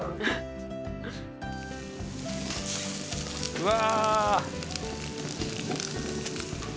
うわ。